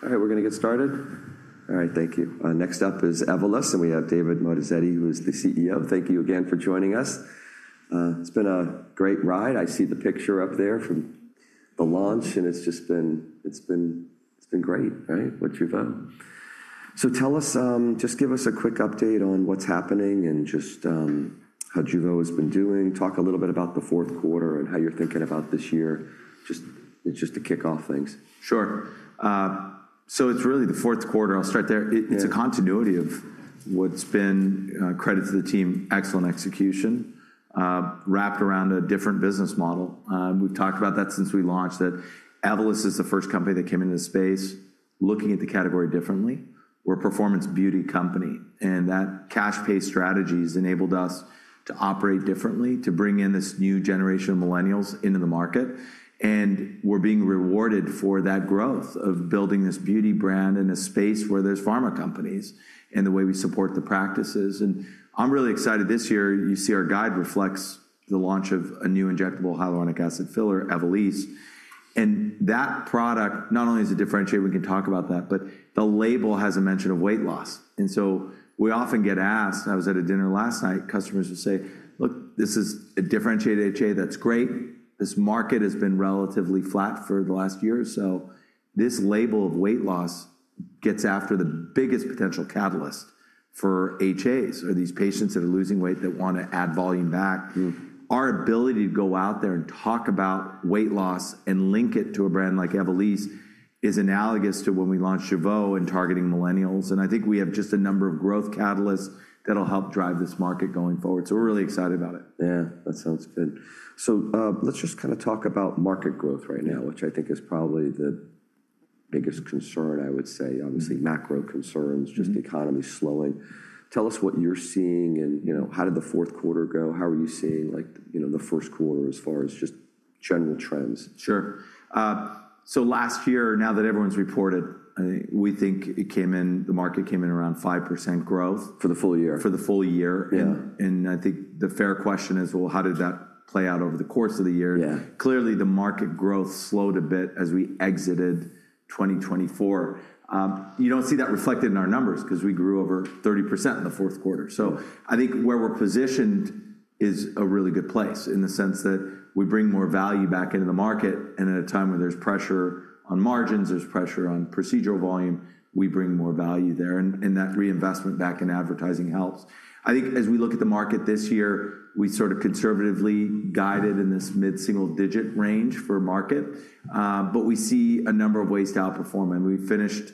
All right, we're going to get started. All right, thank you. Next up is Evolus, and we have David Moatazedi, who is the CEO. Thank you again for joining us. It's been a great ride. I see the picture up there from the launch, and it's just been great, right? What Jeuveau. So tell us, just give us a quick update on what's happening and just how Jeuveau has been doing. Talk a little bit about the fourth quarter and how you're thinking about this year, just to kick off things. Sure. It is really the fourth quarter. I'll start there. It is a continuity of what has been, credit to the team, excellent execution, wrapped around a different business model. We have talked about that since we launched that Evolus is the first company that came into the space looking at the category differently. We are a performance beauty company, and that cash-pay strategy has enabled us to operate differently, to bring in this new generation of millennials into the market. We are being rewarded for that growth of building this beauty brand in a space where there are pharma companies and the way we support the practices. I am really excited this year. You see our guide reflects the launch of a new injectable hyaluronic acid filler, Evolysse. That product not only is a differentiator, we can talk about that, but the label has a mention of weight loss. We often get asked, I was at a dinner last night, customers will say, "Look, this is a differentiated HA." That's great. This market has been relatively flat for the last year. This label of weight loss gets after the biggest potential catalyst for HAs or these patients that are losing weight that want to add volume back. Our ability to go out there and talk about weight loss and link it to a brand like Evolysse is analogous to when we launched Jeuveau and targeting millennials. I think we have just a number of growth catalysts that'll help drive this market going forward. We are really excited about it. Yeah, that sounds good. Let's just kind of talk about market growth right now, which I think is probably the biggest concern, I would say. Obviously, macro concerns, just the economy slowing. Tell us what you're seeing and how did the fourth quarter go? How are you seeing the first quarter as far as just general trends? Sure. Last year, now that everyone's reported, we think it came in, the market came in around 5% growth. For the full year. For the full year. I think the fair question is, well, how did that play out over the course of the year? Clearly, the market growth slowed a bit as we exited 2024. You do not see that reflected in our numbers because we grew over 30% in the fourth quarter. I think where we are positioned is a really good place in the sense that we bring more value back into the market. At a time when there is pressure on margins, there is pressure on procedural volume, we bring more value there. That reinvestment back in advertising helps. I think as we look at the market this year, we sort of conservatively guided in this mid-single digit range for market, but we see a number of ways to outperform. We finished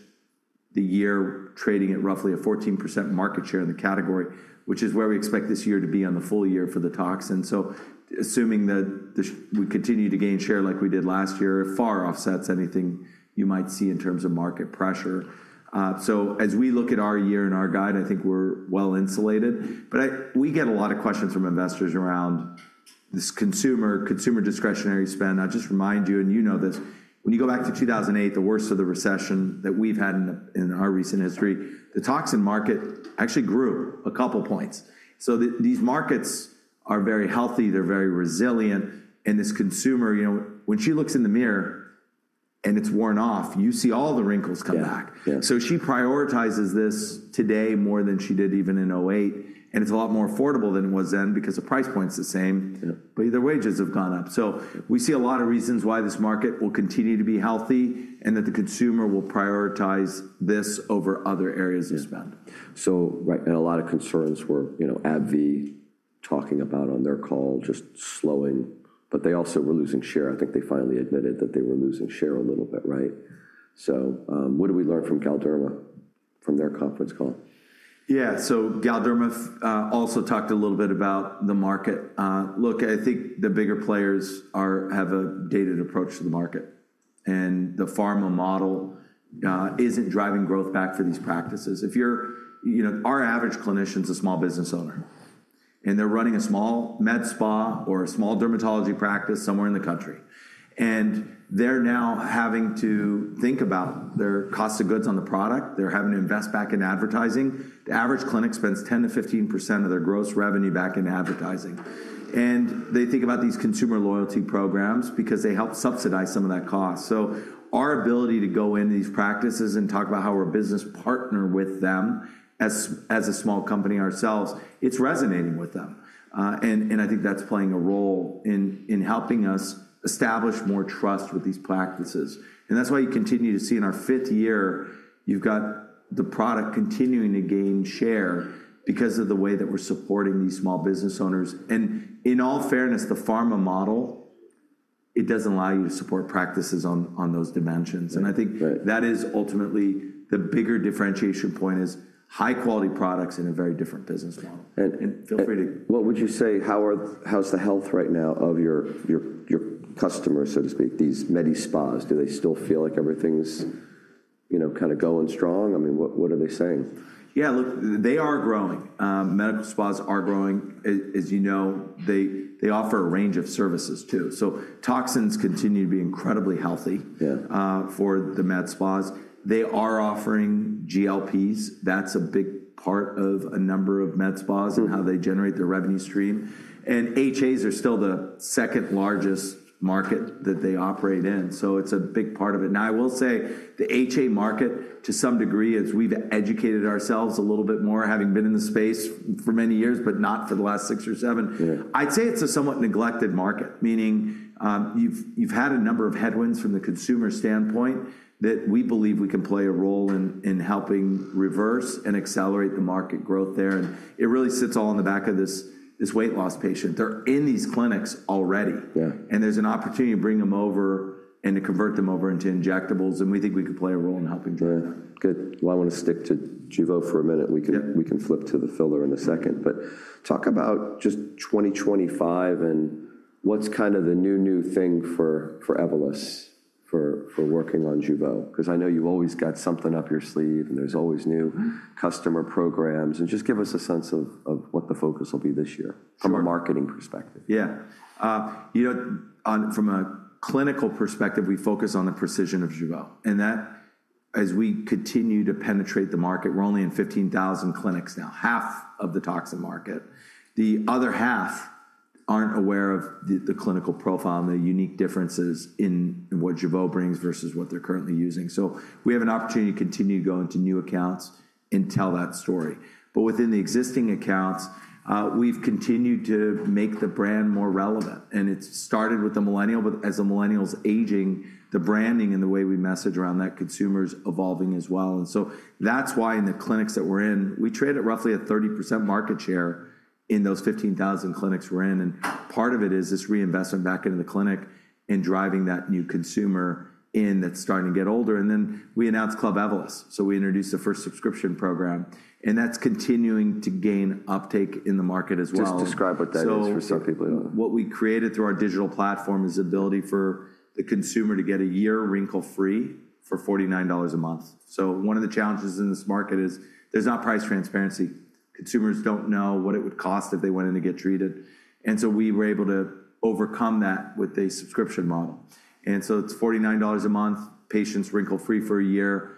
the year trading at roughly a 14% market share in the category, which is where we expect this year to be on the full year for the toxin. Assuming that we continue to gain share like we did last year, far offsets anything you might see in terms of market pressure. As we look at our year and our guide, I think we're well insulated. We get a lot of questions from investors around this consumer, consumer discretionary spend. I'll just remind you, and you know this, when you go back to 2008, the worst of the recession that we've had in our recent history, the toxin market actually grew a couple of points. These markets are very healthy. They're very resilient. This consumer, when she looks in the mirror and it has worn off, you see all the wrinkles come back. She prioritizes this today more than she did even in 2008. It is a lot more affordable than it was then because the price points are the same, but their wages have gone up. We see a lot of reasons why this market will continue to be healthy and that the consumer will prioritize this over other areas of spend. A lot of concerns were AbbVie talking about on their call, just slowing, but they also were losing share. I think they finally admitted that they were losing share a little bit, right? What did we learn from Galderma from their conference call? Yeah, so Galderma also talked a little bit about the market. Look, I think the bigger players have a dated approach to the market. The pharma model isn't driving growth back for these practices. If you're our average clinician's a small business owner and they're running a small med spa or a small dermatology practice somewhere in the country, and they're now having to think about their cost of goods on the product, they're having to invest back in advertising. The average clinic spends 10%-15% of their gross revenue back in advertising. They think about these consumer loyalty programs because they help subsidize some of that cost. Our ability to go into these practices and talk about how we're a business partner with them as a small company ourselves, it's resonating with them. I think that's playing a role in helping us establish more trust with these practices. That's why you continue to see in our fifth year, you've got the product continuing to gain share because of the way that we're supporting these small business owners. In all fairness, the pharma model, it doesn't allow you to support practices on those dimensions. I think that is ultimately the bigger differentiation point, high-quality products in a very different business model. What would you say, how's the health right now of your customers, so to speak, these medi spas? Do they still feel like everything's kind of going strong? I mean, what are they saying? Yeah, look, they are growing. Medical spas are growing. As you know, they offer a range of services too. Toxins continue to be incredibly healthy for the med spas. They are offering GLP-1s. That's a big part of a number of med spas and how they generate their revenue stream. HAs are still the second largest market that they operate in. It's a big part of it. Now, I will say the HA market, to some degree, as we've educated ourselves a little bit more, having been in the space for many years, but not for the last six or seven, I'd say it's a somewhat neglected market, meaning you've had a number of headwinds from the consumer standpoint that we believe we can play a role in helping reverse and accelerate the market growth there. It really sits all in the back of this weight loss patient. They're in these clinics already, and there's an opportunity to bring them over and to convert them over into injectables. We think we could play a role in helping do that. Good. I want to stick to Jeuveau for a minute. We can flip to the filler in a second. Talk about just 2025 and what's kind of the new, new thing for Evolysse for working on Jeuveau, because I know you've always got something up your sleeve and there's always new customer programs. Just give us a sense of what the focus will be this year from a marketing perspective. Yeah. You know, from a clinical perspective, we focus on the precision of Jeuveau. As we continue to penetrate the market, we're only in 15,000 clinics now, half of the toxin market. The other half aren't aware of the clinical profile and the unique differences in what Jeuveau brings versus what they're currently using. We have an opportunity to continue to go into new accounts and tell that story. Within the existing accounts, we've continued to make the brand more relevant. It started with the millennial, but as the millennial's aging, the branding and the way we message around that consumer is evolving as well. That's why in the clinics that we're in, we trade at roughly a 30% market share in those 15,000 clinics we're in. Part of it is this reinvestment back into the clinic and driving that new consumer in that's starting to get older. We announced Club Evolus. We introduced the first subscription program, and that's continuing to gain uptake in the market as well. Just describe what that is for some people. What we created through our digital platform is the ability for the consumer to get a year wrinkle-free for $49 a month. One of the challenges in this market is there's not price transparency. Consumers do not know what it would cost if they went in to get treated. We were able to overcome that with a subscription model. It is $49 a month, patients wrinkle-free for a year.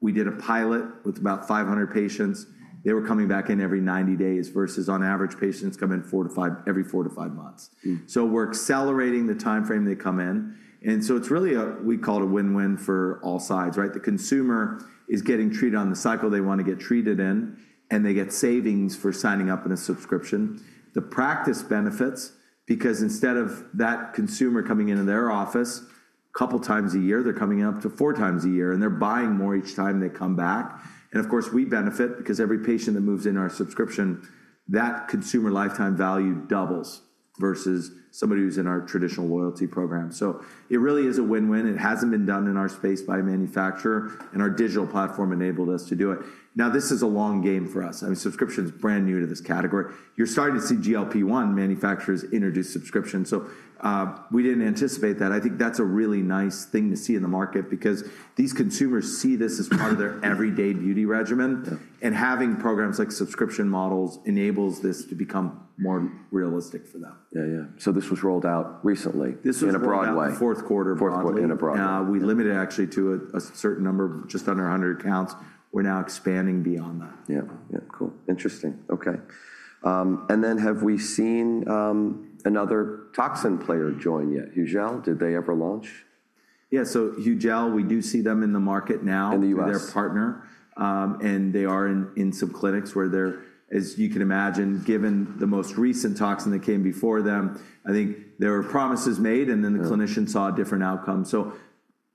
We did a pilot with about 500 patients. They were coming back in every 90 days versus on average patients come in every four to five months. We are accelerating the timeframe they come in. It is really a, we call it a win-win for all sides, right? The consumer is getting treated on the cycle they want to get treated in, and they get savings for signing up in a subscription. The practice benefits, because instead of that consumer coming into their office a couple of times a year, they're coming up to four times a year, and they're buying more each time they come back. Of course, we benefit because every patient that moves in our subscription, that consumer lifetime value doubles versus somebody who's in our traditional loyalty program. It really is a win-win. It hasn't been done in our space by a manufacturer, and our digital platform enabled us to do it. This is a long game for us. I mean, subscription is brand new to this category. You're starting to see GLP-1 manufacturers introduce subscription. We didn't anticipate that. I think that's a really nice thing to see in the market because these consumers see this as part of their everyday beauty regimen. Having programs like subscription models enables this to become more realistic for them. Yeah, yeah. This was rolled out recently in a broad way. This was rolled out in the fourth quarter of 2020. Fourth quarter in a broad way. We limited it actually to a certain number, just under 100 accounts. We're now expanding beyond that. Yeah, yeah. Cool. Interesting. Okay. Have we seen another toxin player join yet? Hugel? Did they ever launch? Yeah. Hugel, we do see them in the market now. In the US. They're a partner. They are in some clinics where they're, as you can imagine, given the most recent toxin that came before them, I think there were promises made and then the clinician saw a different outcome.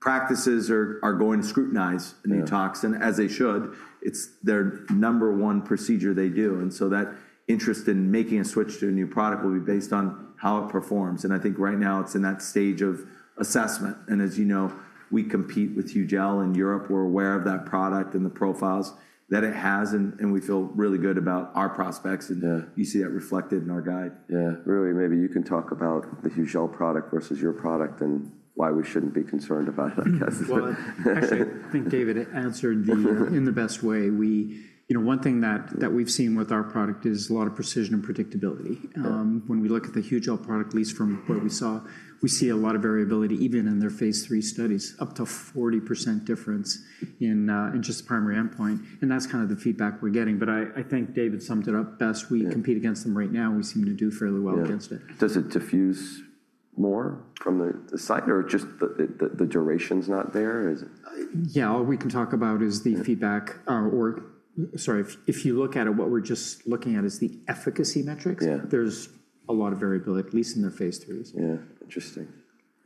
Practices are going to scrutinize a new toxin, as they should. It's their number one procedure they do. That interest in making a switch to a new product will be based on how it performs. I think right now it's in that stage of assessment. As you know, we compete with Hugel in Europe. We're aware of that product and the profiles that it has, and we feel really good about our prospects. You see that reflected in our guide. Yeah. Really, maybe you can talk about the Hugel product versus your product and why we shouldn't be concerned about it, I guess. Actually, I think David answered it in the best way. One thing that we've seen with our product is a lot of precision and predictability. When we look at the Hugel product, at least from what we saw, we see a lot of variability even in their phase III studies, up to 40% difference in just primary endpoint. That's kind of the feedback we're getting. I think David summed it up best. We compete against them right now. We seem to do fairly well against it. Does it diffuse more from the site or just the duration's not there? Yeah, all we can talk about is the feedback or sorry, if you look at it, what we're just looking at is the efficacy metrics. There's a lot of variability, at least in their phase threes. Yeah. Interesting.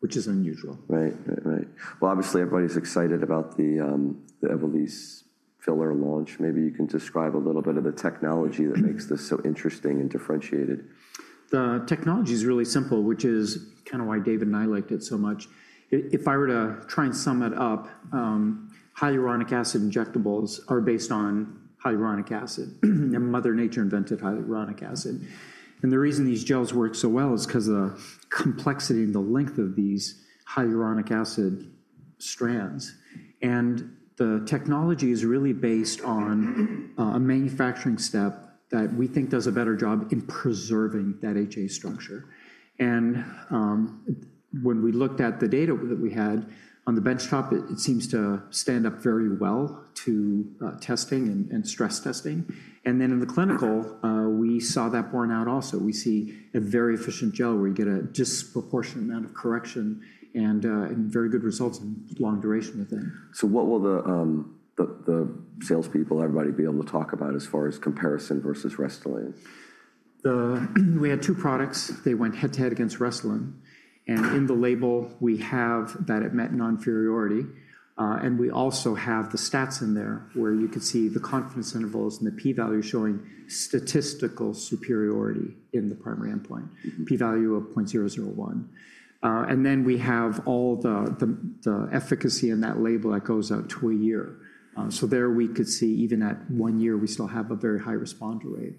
Which is unusual. Right, right, right. Obviously, everybody's excited about the Evolysse filler launch. Maybe you can describe a little bit of the technology that makes this so interesting and differentiated. The technology is really simple, which is kind of why David and I liked it so much. If I were to try and sum it up, hyaluronic acid injectables are based on hyaluronic acid. Mother Nature invented hyaluronic acid. The reason these gels work so well is because of the complexity and the length of these hyaluronic acid strands. The technology is really based on a manufacturing step that we think does a better job in preserving that HA structure. When we looked at the data that we had on the benchtop, it seems to stand up very well to testing and stress testing. In the clinical, we saw that borne out also. We see a very efficient gel where you get a disproportionate amount of correction and very good results in long duration within. What will the salespeople, everybody be able to talk about as far as comparison versus Restylane? We had two products. They went head-to-head against Restylane. In the label, we have that it met non-inferiority. We also have the stats in there where you could see the confidence intervals and the p-value showing statistical superiority in the primary endpoint, p-value of 0.001. We have all the efficacy in that label that goes up to a year. There we could see even at one year, we still have a very high responder rate.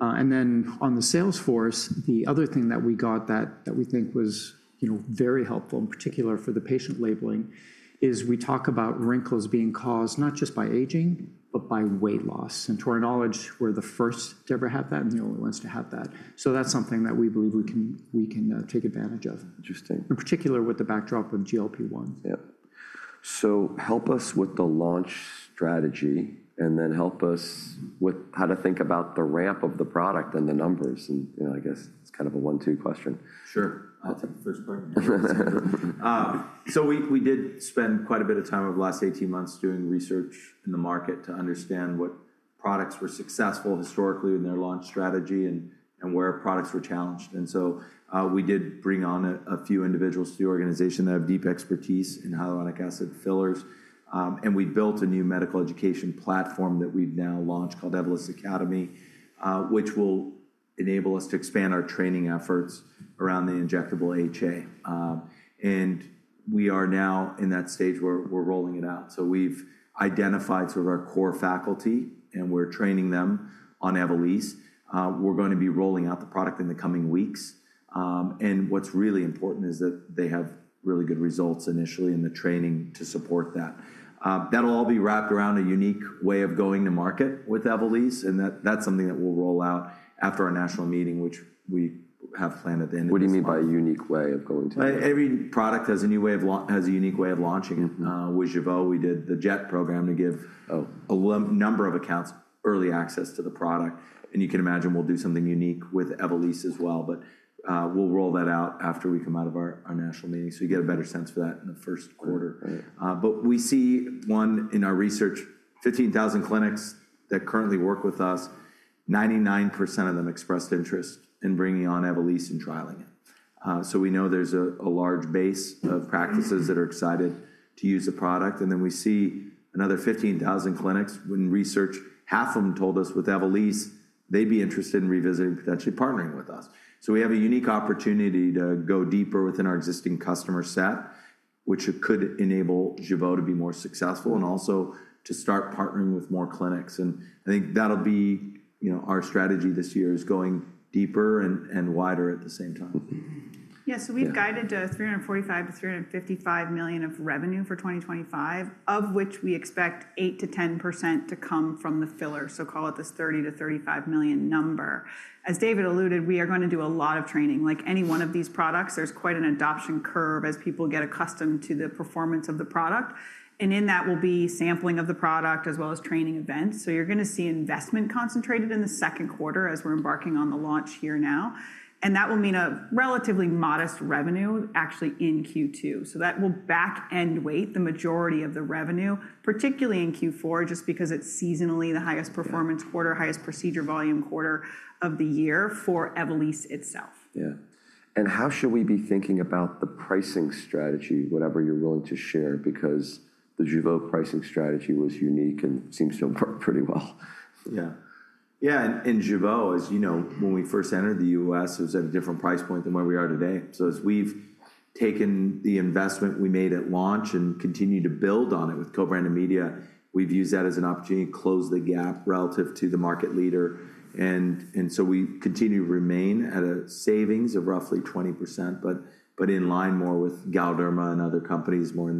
On the sales force, the other thing that we got that we think was very helpful, in particular for the patient labeling, is we talk about wrinkles being caused not just by aging, but by weight loss. To our knowledge, we're the first to ever have that and the only ones to have that. That is something that we believe we can take advantage of. Interesting. In particular with the backdrop of GLP-1. Yeah. Help us with the launch strategy and then help us with how to think about the ramp of the product and the numbers. I guess it's kind of a one-two question. Sure. I'll take the first part. We did spend quite a bit of time over the last 18 months doing research in the market to understand what products were successful historically in their launch strategy and where products were challenged. We did bring on a few individuals to the organization that have deep expertise in hyaluronic acid fillers. We built a new medical education platform that we've now launched called Evolus Academy, which will enable us to expand our training efforts around the injectable HA. We are now in that stage where we're rolling it out. We've identified sort of our core faculty and we're training them on Evolysse. We're going to be rolling out the product in the coming weeks. What's really important is that they have really good results initially in the training to support that. That'll all be wrapped around a unique way of going to market with Evolysse. That's something that we'll roll out after our national meeting, which we have planned at the end of the year. What do you mean by a unique way of going to market? Every product has a unique way of launching. With Jeuveau, we did the JET program to give a number of accounts early access to the product. You can imagine we'll do something unique with Evolysse as well, but we'll roll that out after we come out of our national meeting so you get a better sense for that in the first quarter. We see in our research, 15,000 clinics that currently work with us, 99% of them expressed interest in bringing on Evolysse and trialing it. We know there's a large base of practices that are excited to use the product. We see another 15,000 clinics in research, half of them told us with Evolysse, they'd be interested in revisiting, potentially partnering with us. We have a unique opportunity to go deeper within our existing customer set, which could enable Jeuveau to be more successful and also to start partnering with more clinics. I think that'll be our strategy this year, going deeper and wider at the same time. Yeah. We've guided $345 million-$355 million of revenue for 2025, of which we expect 8%-10% to come from the filler. Call it this $30 million-$35 million number. As David alluded, we are going to do a lot of training. Like any one of these products, there's quite an adoption curve as people get accustomed to the performance of the product. In that will be sampling of the product as well as training events. You're going to see investment concentrated in the second quarter as we're embarking on the launch here now. That will mean a relatively modest revenue actually in Q2. That will back-end weight the majority of the revenue, particularly in Q4, just because it's seasonally the highest performance quarter, highest procedure volume quarter of the year for Evolysse itself. Yeah. How should we be thinking about the pricing strategy, whatever you're willing to share, because the Jeuveau pricing strategy was unique and seems to have worked pretty well? Yeah. Yeah. And Jeuveau, as you know, when we first entered the US, it was at a different price point than where we are today. As we've taken the investment we made at launch and continued to build on it with co-branded media, we've used that as an opportunity to close the gap relative to the market leader. We continue to remain at a savings of roughly 20%, but in line more with Galderma and other companies, more in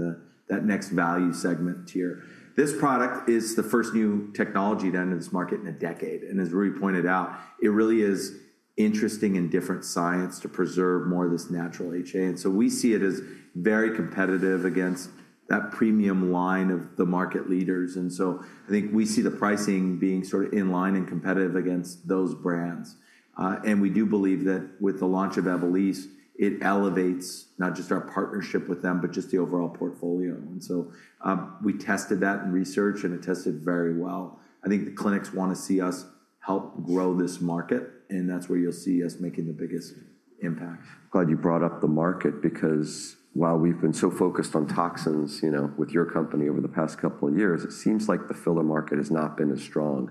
that next value segment tier. This product is the first new technology to enter this market in a decade. As Rui pointed out, it really is interesting and different science to preserve more of this natural HA. We see it as very competitive against that premium line of the market leaders. I think we see the pricing being sort of in line and competitive against those brands. We do believe that with the launch of Evolysse, it elevates not just our partnership with them, but just the overall portfolio. We tested that in research and it tested very well. I think the clinics want to see us help grow this market, and that's where you'll see us making the biggest impact. Glad you brought up the market because while we've been so focused on toxins with your company over the past couple of years, it seems like the filler market has not been as strong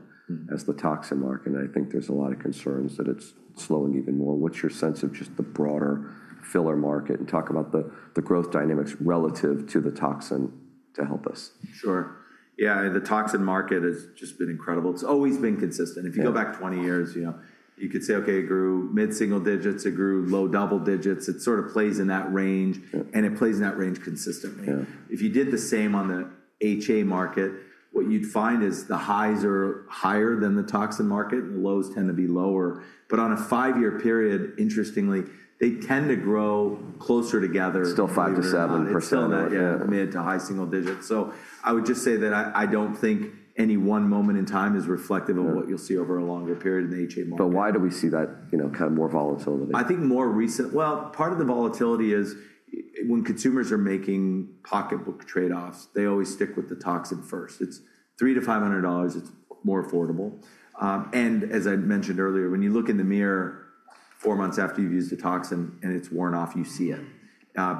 as the toxin market. I think there's a lot of concerns that it's slowing even more. What's your sense of just the broader filler market and talk about the growth dynamics relative to the toxin to help us? Sure. Yeah. The toxin market has just been incredible. It's always been consistent. If you go back 20 years, you could say, okay, it grew mid-single digits, it grew low double digits. It sort of plays in that range, and it plays in that range consistently. If you did the same on the HA market, what you'd find is the highs are higher than the toxin market and the lows tend to be lower. On a five-year period, interestingly, they tend to grow closer together. Still 5%-7%. Still mid to high single digits. I would just say that I don't think any one moment in time is reflective of what you'll see over a longer period in the HA market. Why do we see that kind of more volatility? I think more recent, part of the volatility is when consumers are making pocketbook trade-offs, they always stick with the toxin first. It's $300-$500, it's more affordable. As I mentioned earlier, when you look in the mirror four months after you've used a toxin and it's worn off, you see it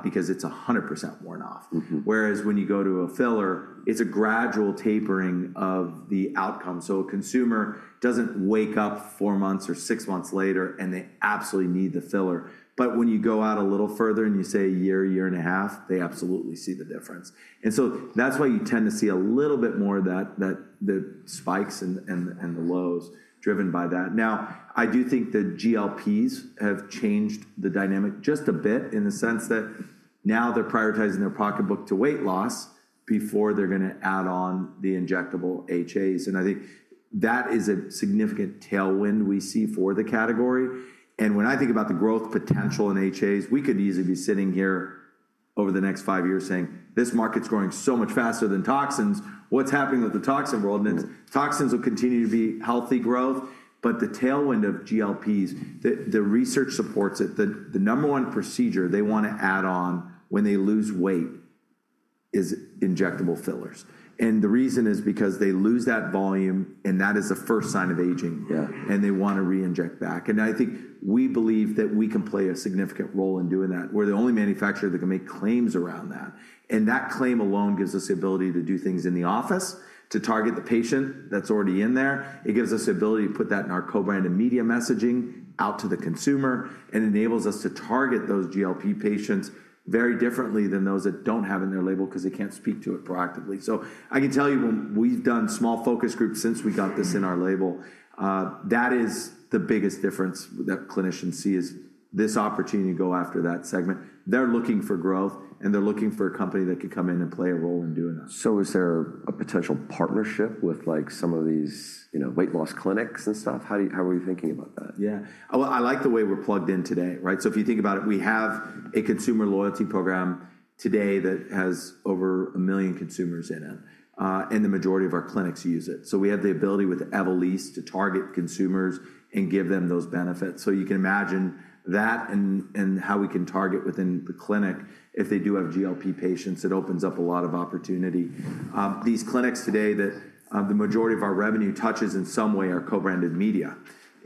because it's 100% worn off. Whereas when you go to a filler, it's a gradual tapering of the outcome. A consumer doesn't wake up four months or six months later and they absolutely need the filler. When you go out a little further and you say a year, year and a half, they absolutely see the difference. That's why you tend to see a little bit more of that, the spikes and the lows driven by that. Now, I do think the GLPs have changed the dynamic just a bit in the sense that now they're prioritizing their pocketbook to weight loss before they're going to add on the injectable HAs. I think that is a significant tailwind we see for the category. When I think about the growth potential in HAs, we could easily be sitting here over the next five years saying, this market's growing so much faster than toxins. What's happening with the toxin world? Toxins will continue to be healthy growth, but the tailwind of GLPs, the research supports it, the number one procedure they want to add on when they lose weight is injectable fillers. The reason is because they lose that volume and that is the first sign of aging and they want to re-inject back. I think we believe that we can play a significant role in doing that. We're the only manufacturer that can make claims around that. That claim alone gives us the ability to do things in the office to target the patient that's already in there. It gives us the ability to put that in our co-brand and media messaging out to the consumer and enables us to target those GLP patients very differently than those that do not have it in their label because they cannot speak to it proactively. I can tell you when we've done small focus groups since we got this in our label, that is the biggest difference that clinicians see, this opportunity to go after that segment. They're looking for growth and they're looking for a company that can come in and play a role in doing that. Is there a potential partnership with some of these weight loss clinics and stuff? How are we thinking about that? Yeah. I like the way we're plugged in today, right? If you think about it, we have a consumer loyalty program today that has over a million consumers in it, and the majority of our clinics use it. We have the ability with Evolysse to target consumers and give them those benefits. You can imagine that and how we can target within the clinic if they do have GLP patients, it opens up a lot of opportunity. These clinics today that the majority of our revenue touches in some way are co-branded media.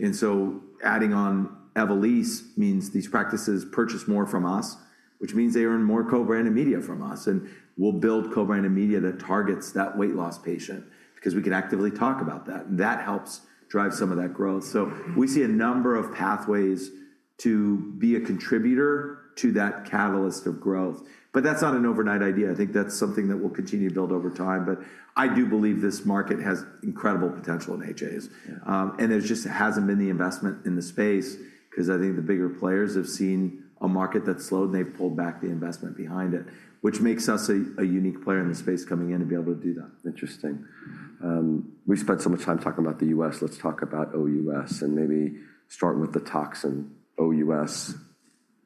Adding on Evolysse means these practices purchase more from us, which means they earn more co-branded media from us. We'll build co-branded media that targets that weight loss patient because we can actively talk about that. That helps drive some of that growth. We see a number of pathways to be a contributor to that catalyst of growth. That is not an overnight idea. I think that is something that we will continue to build over time. I do believe this market has incredible potential in HAs. There just has not been the investment in the space because I think the bigger players have seen a market that has slowed and they have pulled back the investment behind it, which makes us a unique player in the space coming in to be able to do that. Interesting. We spent so much time talking about the U.S. Let's talk about OUS and maybe start with the toxin OUS,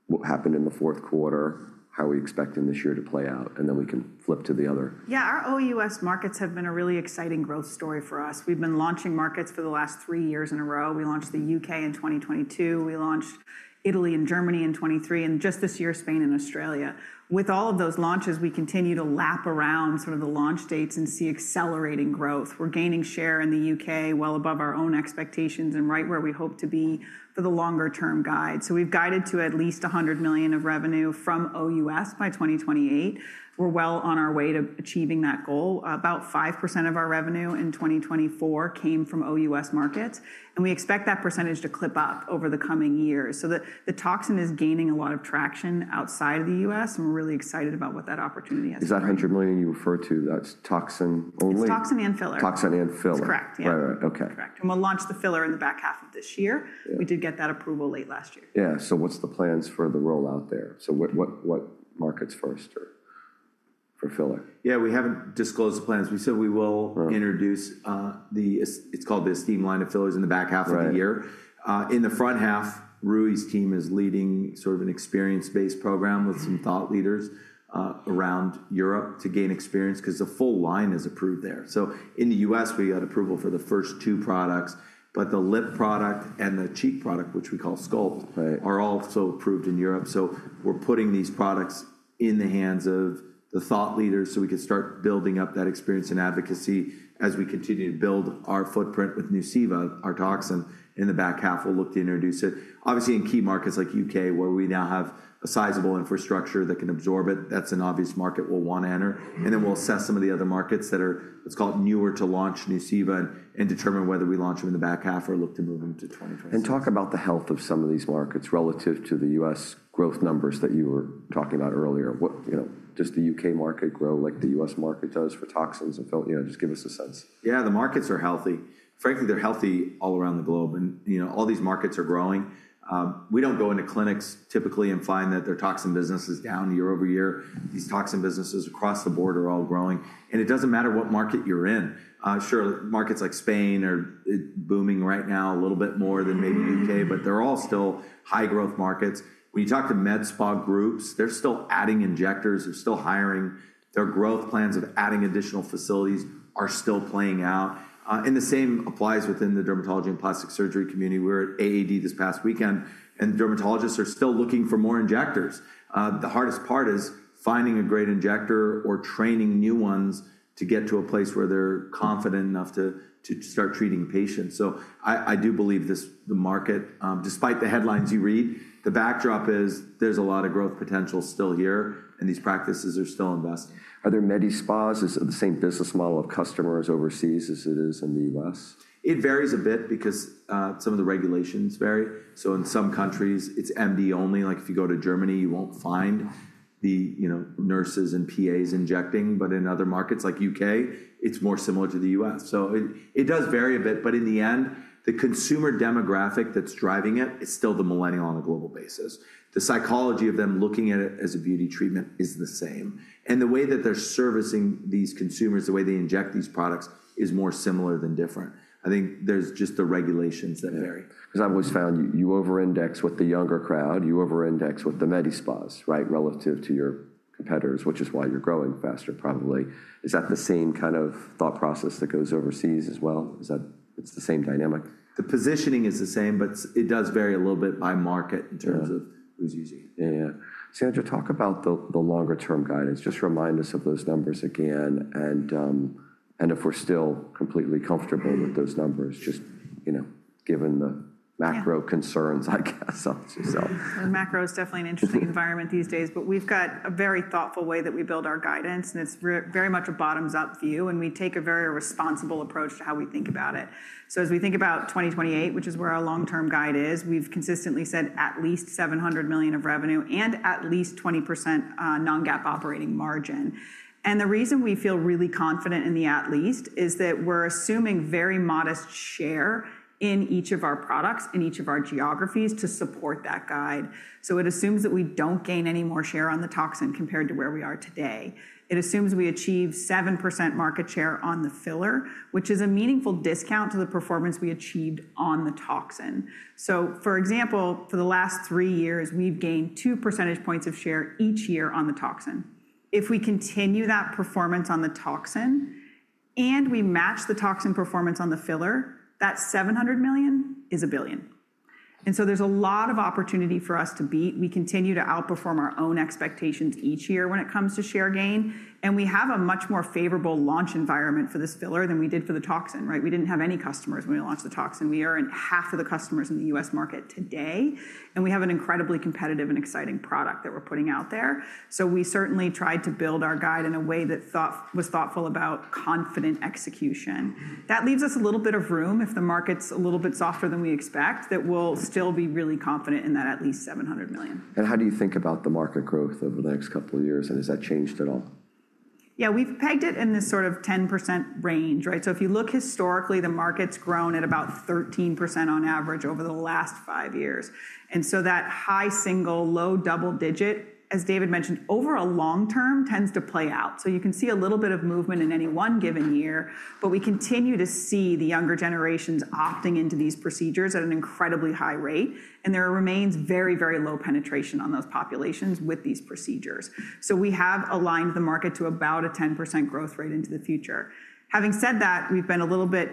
what happened in the fourth quarter, how we expect in this year to play out, and then we can flip to the other. Yeah, our OUS markets have been a really exciting growth story for us. We've been launching markets for the last three years in a row. We launched the U.K. in 2022. We launched Italy and Germany in 2023, and just this year, Spain and Australia. With all of those launches, we continue to lap around sort of the launch dates and see accelerating growth. We're gaining share in the U.K. well above our own expectations and right where we hope to be for the longer-term guide. We have guided to at least $100 million of revenue from OUS by 2028. We're well on our way to achieving that goal. About 5% of our revenue in 2024 came from OUS markets, and we expect that percentage to clip up over the coming years. The toxin is gaining a lot of traction outside of the U.S., and we're really excited about what that opportunity has been. Is that $100 million you refer to, that's toxin only? It's toxin and filler. Toxin and filler. Correct. Yeah. Right, right. Okay. Correct. We will launch the filler in the back half of this year. We did get that approval late last year. Yeah. What are the plans for the rollout there? What markets first for filler? Yeah, we haven't disclosed the plans. We said we will introduce the, it's called the Estyme line of fillers in the back half of the year. In the front half, Rui's team is leading sort of an experience-based program with some thought leaders around Europe to gain experience because the full line is approved there. In the U.S., we got approval for the first two products, but the lip product and the cheek product, which we call Sculpt, are also approved in Europe. We are putting these products in the hands of the thought leaders so we can start building up that experience and advocacy as we continue to build our footprint with Nuceiva, our toxin, in the back half. We will look to introduce it. Obviously, in key markets like the U.K., where we now have a sizable infrastructure that can absorb it, that's an obvious market we'll want to enter. We will assess some of the other markets that are, let's call it, newer to launch Nuceiva and determine whether we launch them in the back half or look to move them to 2024. Talk about the health of some of these markets relative to the U.S. growth numbers that you were talking about earlier. Does the U.K. market grow like the U.S. market does for toxins and fillers? Just give us a sense. Yeah, the markets are healthy. Frankly, they're healthy all around the globe. All these markets are growing. We don't go into clinics typically and find that their toxin business is down year over year. These toxin businesses across the board are all growing. It doesn't matter what market you're in. Sure, markets like Spain are booming right now a little bit more than maybe the U.K., but they're all still high-growth markets. When you talk to med spa groups, they're still adding injectors. They're still hiring. Their growth plans of adding additional facilities are still playing out. The same applies within the dermatology and plastic surgery community. We were at AAD this past weekend, and dermatologists are still looking for more injectors. The hardest part is finding a great injector or training new ones to get to a place where they're confident enough to start treating patients. I do believe the market, despite the headlines you read, the backdrop is there's a lot of growth potential still here, and these practices are still investing. Are there medi spas? Is it the same business model of customers overseas as it is in the U.S.? It varies a bit because some of the regulations vary. In some countries, it's MD only. Like if you go to Germany, you won't find the nurses and PAs injecting. In other markets like the U.K., it's more similar to the U.S. It does vary a bit, but in the end, the consumer demographic that's driving it is still the millennial on a global basis. The psychology of them looking at it as a beauty treatment is the same. The way that they're servicing these consumers, the way they inject these products is more similar than different. I think there's just the regulations that vary. Because I've always found you over-index with the younger crowd. You over-index with the medi spas, right, relative to your competitors, which is why you're growing faster probably. Is that the same kind of thought process that goes overseas as well? It's the same dynamic? The positioning is the same, but it does vary a little bit by market in terms of who's using it. Yeah. Sandra, talk about the longer-term guidance. Just remind us of those numbers again. If we're still completely comfortable with those numbers, just given the macro concerns, I guess, of yourself. Macro is definitely an interesting environment these days, but we've got a very thoughtful way that we build our guidance, and it's very much a bottoms-up view. We take a very responsible approach to how we think about it. As we think about 2028, which is where our long-term guide is, we've consistently said at least $700 million of revenue and at least 20% non-GAAP operating margin. The reason we feel really confident in the at least is that we're assuming very modest share in each of our products in each of our geographies to support that guide. It assumes that we don't gain any more share on the toxin compared to where we are today. It assumes we achieve 7% market share on the filler, which is a meaningful discount to the performance we achieved on the toxin. For example, for the last three years, we've gained two percentage points of share each year on the toxin. If we continue that performance on the toxin and we match the toxin performance on the filler, that $700 million is a billion. There is a lot of opportunity for us to beat. We continue to outperform our own expectations each year when it comes to share gain. We have a much more favorable launch environment for this filler than we did for the toxin, right? We did not have any customers when we launched the toxin. We are in half of the customers in the U.S. market today. We have an incredibly competitive and exciting product that we're putting out there. We certainly tried to build our guide in a way that was thoughtful about confident execution. That leaves us a little bit of room if the market's a little bit softer than we expect, that we'll still be really confident in that at least $700 million. How do you think about the market growth over the next couple of years? Has that changed at all? Yeah, we've pegged it in this sort of 10% range, right? If you look historically, the market's grown at about 13% on average over the last five years. That high single, low double digit, as David mentioned, over a long term tends to play out. You can see a little bit of movement in any one given year, but we continue to see the younger generations opting into these procedures at an incredibly high rate. There remains very, very low penetration on those populations with these procedures. We have aligned the market to about a 10% growth rate into the future. Having said that, we've been a little bit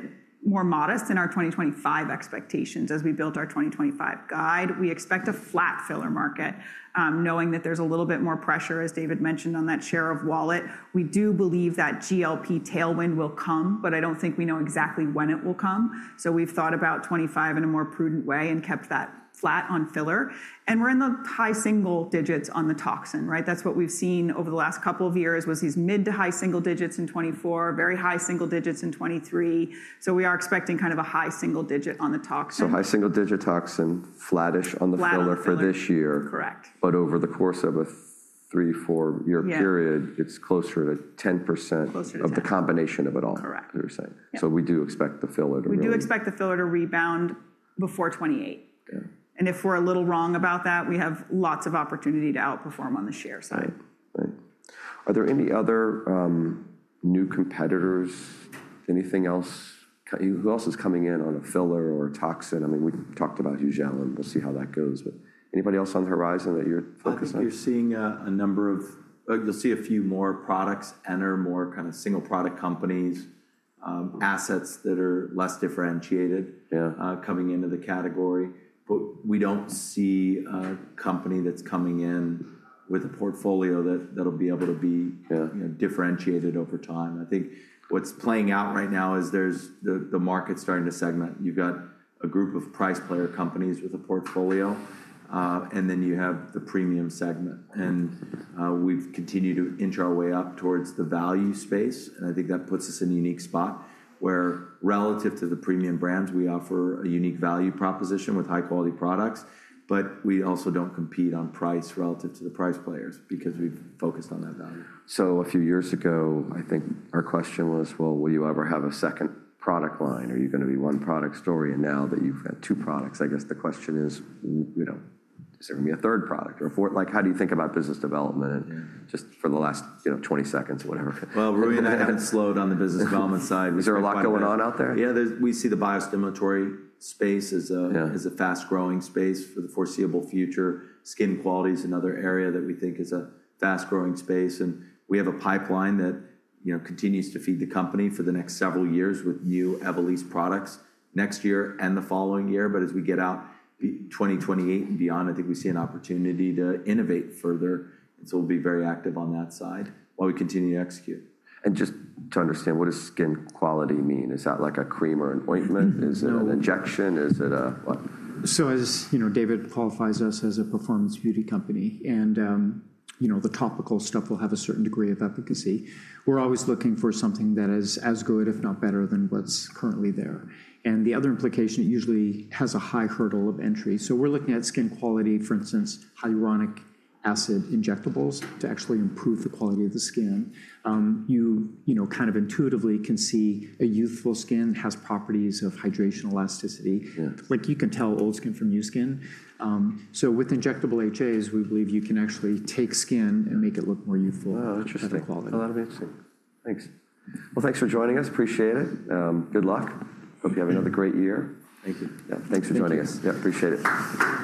more modest in our 2025 expectations as we built our 2025 guide. We expect a flat filler market, knowing that there's a little bit more pressure, as David mentioned, on that share of wallet. We do believe that GLP tailwind will come, but I don't think we know exactly when it will come. We have thought about 2025 in a more prudent way and kept that flat on filler. We are in the high single digits on the toxin, right? That is what we have seen over the last couple of years was these mid to high single digits in 2024, very high single digits in 2023. We are expecting kind of a high single digit on the toxin. High single digit toxin, flattish on the filler for this year. Flattish, correct. Over the course of a three, four-year period, it's closer to 10% of the combination of it all. Correct. You're saying. We do expect the filler to rebound. We do expect the filler to rebound before 2028. If we're a little wrong about that, we have lots of opportunity to outperform on the share side. Right. Right. Are there any other new competitors? Anything else? Who else is coming in on a filler or a toxin? I mean, we talked about Hugel. We'll see how that goes. Anybody else on the horizon that you're focused on? I think you're seeing a number of, you'll see a few more products enter, more kind of single product companies, assets that are less differentiated coming into the category. We don't see a company that's coming in with a portfolio that'll be able to be differentiated over time. I think what's playing out right now is the market starting to segment. You've got a group of price player companies with a portfolio, and then you have the premium segment. We've continued to inch our way up towards the value space. I think that puts us in a unique spot where, relative to the premium brands, we offer a unique value proposition with high-quality products. We also don't compete on price relative to the price players because we've focused on that value. A few years ago, I think our question was, well, will you ever have a second product line? Are you going to be one product story? Now that you've had two products, I guess the question is, is there going to be a third product or a fourth? Like how do you think about business development just for the last 20 seconds or whatever? Rui and I haven't slowed on the business development side. Is there a lot going on out there? Yeah, we see the biostimulatory space as a fast-growing space for the foreseeable future. Skin quality is another area that we think is a fast-growing space. We have a pipeline that continues to feed the company for the next several years with new Evolysse products next year and the following year. As we get out 2028 and beyond, I think we see an opportunity to innovate further. We will be very active on that side while we continue to execute. Just to understand, what does skin quality mean? Is that like a cream or an ointment? Is it an injection? Is it a what? As David qualifies us as a performance beauty company, and the topical stuff will have a certain degree of efficacy. We're always looking for something that is as good, if not better, than what's currently there. The other implication, it usually has a high hurdle of entry. We're looking at skin quality, for instance, hyaluronic acid injectables to actually improve the quality of the skin. You kind of intuitively can see a youthful skin has properties of hydration, elasticity. Like you can tell old skin from new skin. With injectable HAs, we believe you can actually take skin and make it look more youthful. Oh, interesting. A lot of interesting. Thanks. Thanks for joining us. Appreciate it. Good luck. Hope you have another great year. Thank you. Yeah, thanks for joining us. Yeah, appreciate it.